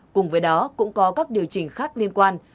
cùng với đó cũng có các điều chỉnh khác liên quan